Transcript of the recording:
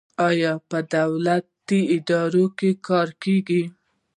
آیا په دولتي ادارو کې کار کیږي؟